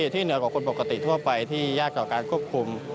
เหนือกว่าคนปกติทั่วไปที่ยากต่อการควบคุม